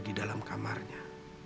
di dalam kamarnya